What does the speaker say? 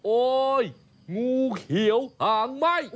โอ๊ยงูเขียวหางไหม้